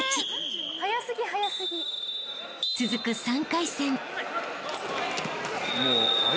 ［続く３回戦］